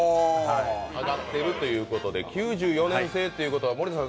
上がっているということで９４年製ということで、森田さん